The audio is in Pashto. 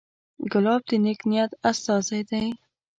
ګلاب د نیک نیت استازی دی.